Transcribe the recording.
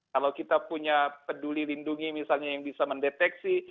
kalau kita punya peduli lindungi misalnya yang bisa mendeteksi